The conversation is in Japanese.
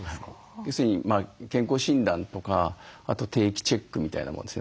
要するに健康診断とかあと定期チェックみたいなもんですね。